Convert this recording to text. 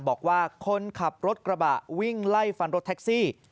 บอกว่าคนขับรถกระบะวิ่งไล่ฟันรถแท็กซี่